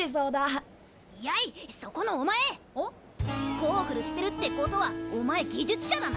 ゴーグルしてるってことはお前技術者だな！？